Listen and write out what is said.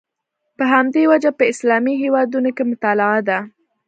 په همدې وجه په اسلامي هېوادونو کې مطالعه ده.